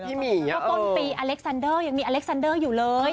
ก็ต้นปีอเล็กซันเดอร์ยังมีอเล็กซันเดอร์อยู่เลย